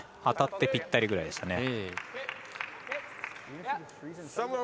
当たってぴったりぐらいでした。